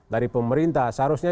dari pemerintah seharusnya